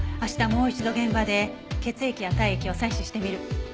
もう一度現場で血液や体液を採取してみる。